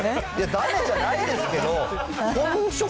だめじゃないですけど。